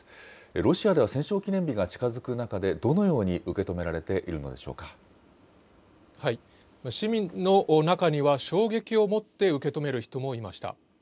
ロシアでは戦勝記念日が近づく中で、どのように受け止められてい市民の中には、衝撃をもって受け止める人もいました。